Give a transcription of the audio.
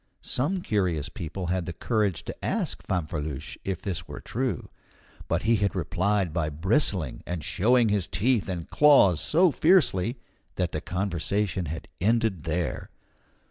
Some curious people had the courage to ask Fanfreluche if this were true; but he had replied by bristling, and showing his teeth and claws so fiercely, that the conversation had ended there.